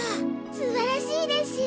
すばらしいです！